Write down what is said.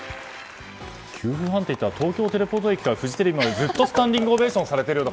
９分半といったら東京テレポート駅からフジテレビまでずっとスタンディングオベーションされているような。